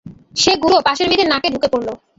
সে গুঁড়ো পাশের মেয়েদের নাকে ঢুকে পড়ল।